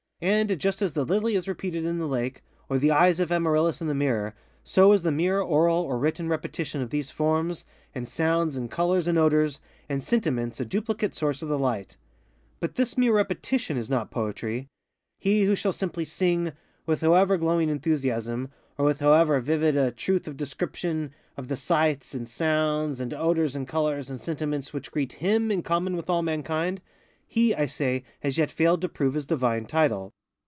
And just as the lily is repeated in the lake, or the eyes of Amaryllis in the mirror, so is the mere oral or written repetition of these forms, and sounds, and colors, and odors, and sentiments a duplicate source of the light. But this mere repetition is not poetry. He who shall simply sing, with however glowing enthusiasm, or with however vivid a truth of description, of the sights, and sounds, and odors, and colors, and sentiments which greet _him _in common with all mankindŌĆöhe, I say, has yet failed to prove his divine title.